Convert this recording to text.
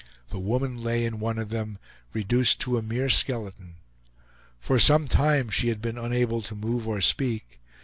The woman lay in one of them, reduced to a mere skeleton. For some time she had been unable to move or speak.